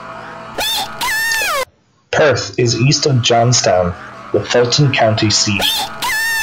Perth is east of Johnstown, the Fulton County seat.